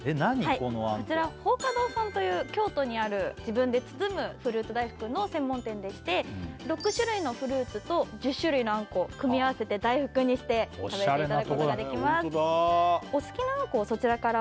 このあんこはいこちら包華堂さんという京都にある自分で包むフルーツ大福の専門店でして６種類のフルーツと１０種類のあんこを組み合わせて大福にして食べていただくことができます